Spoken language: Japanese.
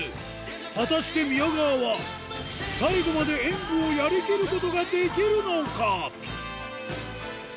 果たして宮川は、最後まで演舞をやりきることができるのか。